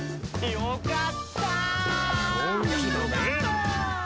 よかったー！